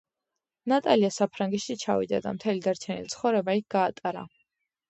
ნატალია საფრანგეთში ჩავიდა და მთელი დარჩენილი ცხოვრება იქ გაატარა.